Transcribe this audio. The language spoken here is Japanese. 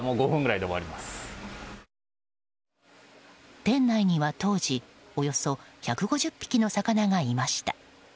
店内には当時およそ１５０匹の魚がいました。